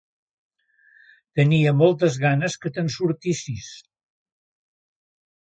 Tenia moltes ganes que te'n sortissis.